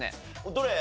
どれ？